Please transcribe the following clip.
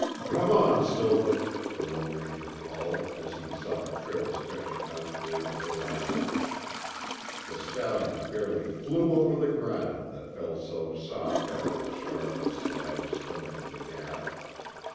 "Come on, Silver," the Lone Ranger called as he saw the trail stretching out toward the horizon. The stallion fairly flew over the ground that felt so soft after the sharp and sliding stones of the Gap.